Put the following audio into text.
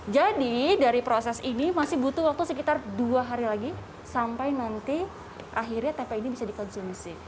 jadi dari proses ini masih butuh waktu sekitar dua hari lagi sampai nanti akhirnya tempe ini bisa dikonsumsi